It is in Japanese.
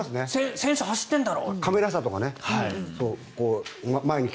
選手走ってんだろ！